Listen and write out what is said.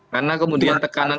karena kemudian tekanan